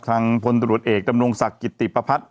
ทางพลตรวจเอกดำรงศักดิ์กิติปภัทร